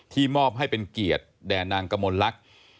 มอบให้เป็นเกียรติแด่นางกมลลักษณ์